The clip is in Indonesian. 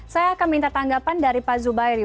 saya akan minta tanggapan dari pak zubairi